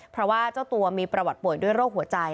เพราะว่าเจ้าตัวมีประวัติป่วยด้วยโรคหัวใจ